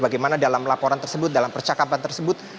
di mana dalam laporan tersebut dalam percakapan tersebut